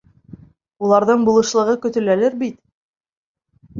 Уларҙың булышлығы көтөләлер бит?